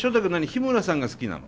日村さんが好きなの？